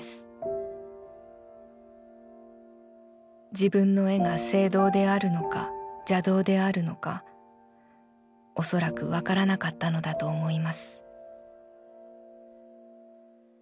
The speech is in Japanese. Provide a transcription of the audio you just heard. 自分の絵が正道であるのか邪道であるのかおそらくわからなかったのだと思います」。